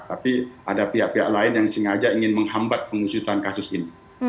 tapi ada pihak pihak lain yang sengaja ingin menghambat pengusutan kasus ini